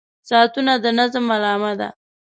• ساعتونه د نظم علامه ده.